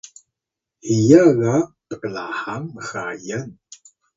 hiya ga pklahang mxayan